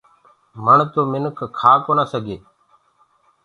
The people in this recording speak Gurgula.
مڻ تو منک کآ ڪونآ سگھينٚ۔